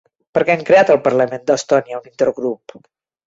Per què ha creat el Parlament d'Estònia un intergrup?